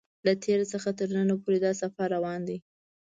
له تېر څخه تر نن پورې دا سفر روان دی.